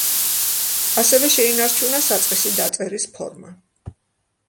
ასევე შეინარჩუნა საწყისი დაწერის ფორმა.